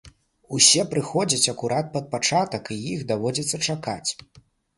Усе прыходзяць акурат пад пачатак і іх даводзіцца чакаць.